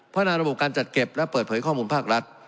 นาระบบการจัดเก็บและเปิดเผยข้อมูลภาครัฐ